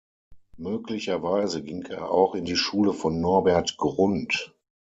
Möglicherweise ging er auch in die Schule von Norbert Grund.